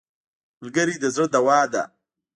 ملګری د زړه دوا ده